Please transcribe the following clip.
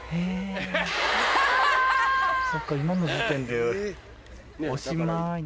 そっか今の時点でおしまい。